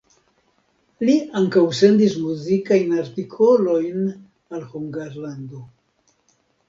Li ankaŭ sendis muzikajn artikolojn al Hungarlando.